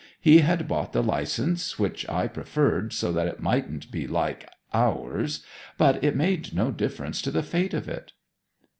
He had bought the licence, which I preferred so that it mightn't be like ours. But it made no difference to the fate of it.'